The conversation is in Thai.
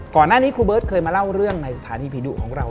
ก่อนหน้านี้ครูเบิร์ตเคยมาเล่าเรื่องในสถานีผีดุของเรา